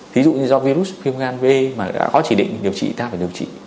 thí dụ như do virus phim gan v mà đã có chỉ định điều trị ta phải điều trị